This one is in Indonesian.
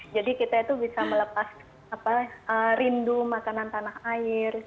jadi kita itu bisa melepas apa rindu makanan tanah air